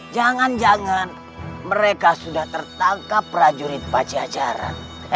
jangan jangan mereka sudah tertangkap prajurit paci acara